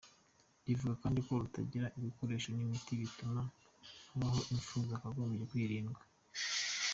Rivuga kandi ko kutagira ibikoresho n’imiti bituma habaho impfu zakagombye kwirindwa.